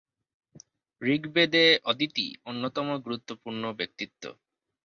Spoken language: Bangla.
ঋগ্বেদে, অদিতি অন্যতম গুরুত্বপূর্ণ ব্যক্তিত্ব।